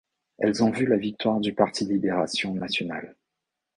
Elles ont vu la victoire du Parti libération nationale.